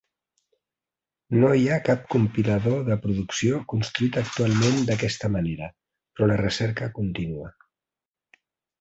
No hi ha cap compilador de producció construït actualment d'aquesta manera, però la recerca continua.